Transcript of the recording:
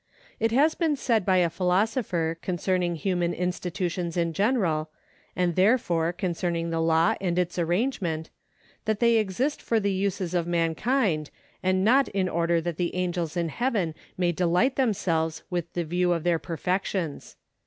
It has been said by a philosopher concerning human institutions in general, and therefore concerning the law and its arrangement, that they exist for the uses of manliind, and not in order that the angels in heaven may deUght themselves with the view of their perfections.